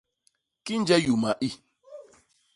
Kinje yuma i!